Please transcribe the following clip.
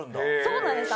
そうなんです。